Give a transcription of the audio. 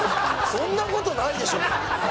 そんな事ないでしょ。